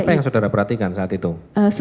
apa yang saudara perhatikan saat itu